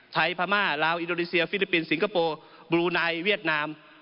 พม่าลาวอินโดนีเซียฟิลิปปินส์สิงคโปร์บลูไนเวียดนาม